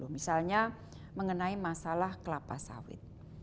misalnya mengenai masalah kelapa sawit